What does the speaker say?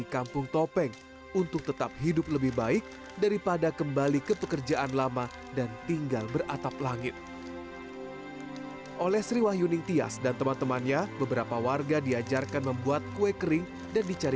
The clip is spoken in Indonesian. kampung topeng jawa timur